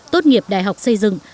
tốt nghiệp đại học xây dựng